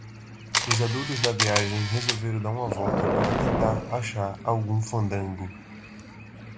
Os adultos da viagem resolveram dar uma volta para tentar achar algum fandango.